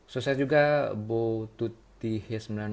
sosial juga bu tuti h sembilan puluh dua